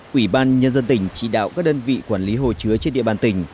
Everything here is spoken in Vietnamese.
quỹ ban nhân dân tỉnh chỉ đạo các đơn vị quản lý hồ chứa trên địa bàn tỉnh